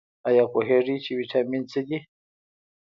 ایا پوهیږئ چې ویټامین څه دي؟